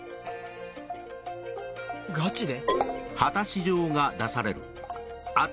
ガチで？